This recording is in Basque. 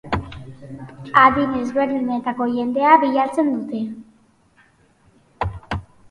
Adin ezberdinetako jendea bilatzen dute.